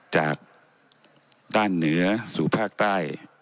จากด้านเหนือสู่ภาคใต้